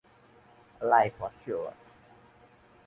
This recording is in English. I like what you are.